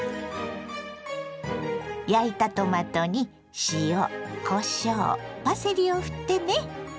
焼いたトマトに塩こしょうパセリをふってね。